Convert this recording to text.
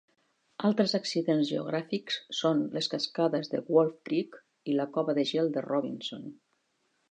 Altres accidents geogràfics són les cascades de Wolf Creek i la cova de gel de Robinson.